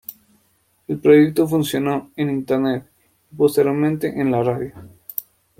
El proyecto funcionó en internet, y posteriormente en la radio.